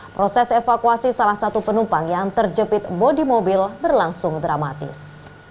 proses evakuasi salah satu penumpang yang terjepit bodi mobil berlangsung dramatis